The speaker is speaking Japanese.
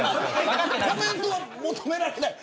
コメントは求められないの。